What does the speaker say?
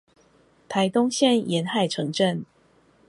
臺東縣沿海城鎮